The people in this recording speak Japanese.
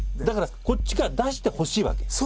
だからこっちから出してほしいわけ？